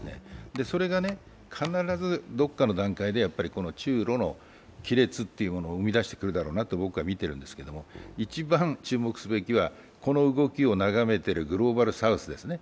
それがどこかの段階で必ずやっぱり中ロの亀裂というものを生み出してくるだろうなと僕は見てるんですが一番注目すべきは、この動きを眺めているグローバルサウスですね。